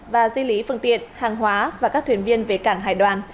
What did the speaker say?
và di lý phương tiện hàng hóa và các thuyền viên về cảng hải đoàn